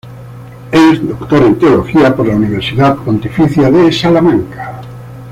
Es doctor en Teología por la Universidad Pontificia de Salamanca.